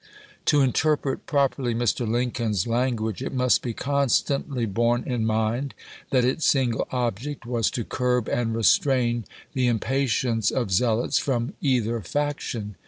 To interpret properly Mr. Lincoln's lan guage it must be constantly borne in mind that its single object was to curb and restrain the im EMANCIPATION ANNOUNCED 149 patience of zealots from either faction.